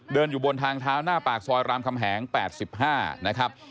เดินอยู่บนทางเท้าหน้าปากซอยรามคำแหง๘๕นะครับ